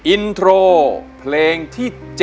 อินโทรเพลงที่๗